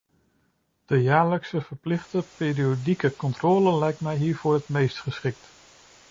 De jaarlijkse verplichte periodieke controle lijkt mij hiervoor het meest geschikt.